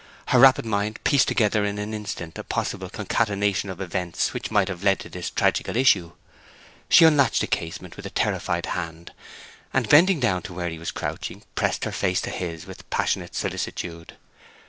Her rapid mind pieced together in an instant a possible concatenation of events which might have led to this tragical issue. She unlatched the casement with a terrified hand, and bending down to where he was crouching, pressed her face to his with passionate solicitude.